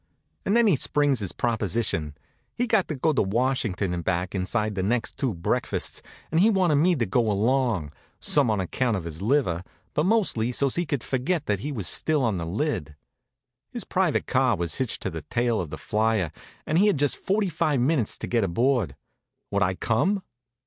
And then he springs his proposition. He'd got to go to Washington and back inside of the next two breakfasts, and he wanted me to go along, some on account of his liver, but mostly so's he could forget that he was still on the lid. His private car was hitched to the tail of the Flyer, and he had just forty five minutes to get aboard. Would I come?